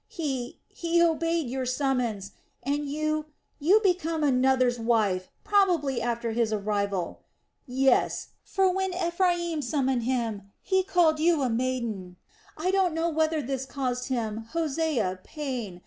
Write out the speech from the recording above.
He, he obeyed your summons. And you... you became another's wife; probably after his arrival... yes! For when Ephraim summoned him, he called you a maiden... I don't know whether this caused him, Hosea, pain....